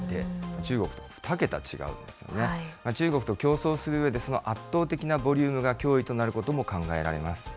中国と競争するうえで、その圧倒的なボリュームが脅威となることも考えられます。